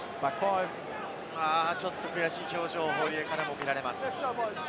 ちょっと悔しい表情、堀江からも見られます。